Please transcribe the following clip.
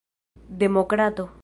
demokrato